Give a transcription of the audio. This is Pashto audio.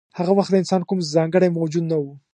هغه وخت انسان کوم ځانګړی موجود نه و.